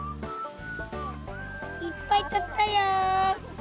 いっぱい取ったよ。